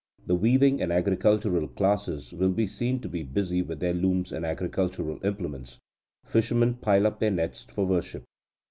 The weaving and agricultural classes will be seen to be busy with their looms and agricultural implements. Fishermen pile up their nets for worship.